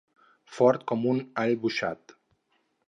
Fort com un all boixat.